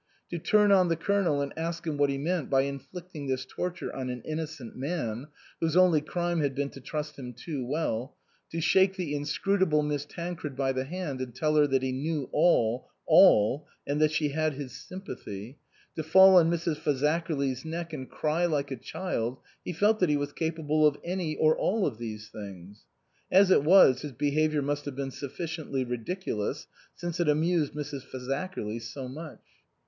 To turn on the Colonel and ask him what he meant by inflicting this torture on an innocent man, whose only crime had been to trust him too well ; to shake the inscrutable Miss Tancred by the hand and tell her that he knew all all, and that she had his sympathy ; to fall on Mrs. Faza kerly's neck and cry like a child, he felt that he was capable of any or all of these things. As it was, his behaviour must have been sufficiently ridiculous, since it amused Mrs. Fazakerly so much.